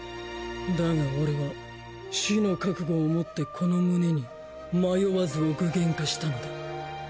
だが俺は死の覚悟を持ってこの胸に不迷を具現化したのだ。